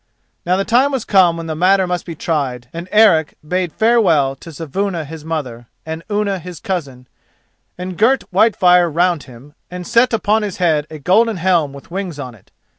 Now the time was come when the matter must be tried, and Eric bade farewell to Saevuna his mother, and Unna his cousin, and girt Whitefire round him and set upon his head a golden helm with wings on it.